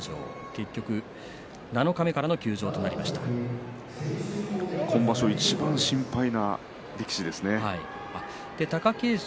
結局は七日目からの休場と今場所、いちばん心配な力士ですね。